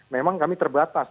memang kami terbatas